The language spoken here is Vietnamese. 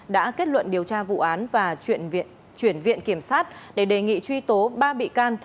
đã kết luận điều tra vụ án và chuyển viện kiểm sát để đề nghị truy tố ba bị can